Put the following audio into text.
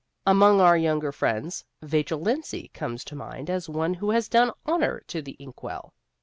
Among our younger friends, Vachel Lindsay comes to mind as one who has done honor to the ink well.